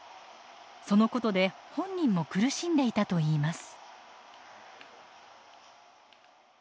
そのことで本人も苦しんでいたといいます。